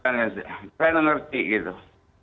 saya nanggap itu benar benar benar benar benar